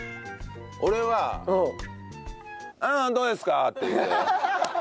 俺は「どうですか？」って言う。